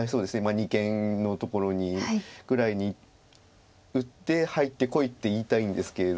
二間のところにぐらいに打って入ってこいって言いたいんですけれども。